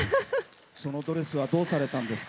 そのドレスはどうされたんですか？